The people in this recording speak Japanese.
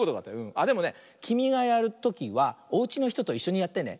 あっでもねきみがやるときはおうちのひとといっしょにやってね。